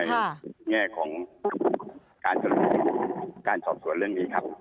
ในแง่ของการสอบส่วนเรื่องนี้ครับ